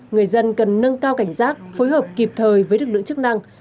người dân cần nâng cao cảnh giác phối hợp kịp thời với lực lượng chức năng